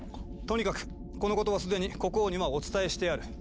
とにかくこのことは既に国王にはお伝えしてある。